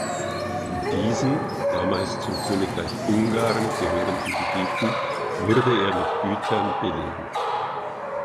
In diesen, damals zum Königreich Ungarn gehörenden Gebieten wurde er mit Gütern belehnt.